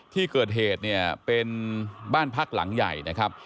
ที่เกิดเหตุเนี่ยเป็นบ้านพักหลังใหญ่นะครับ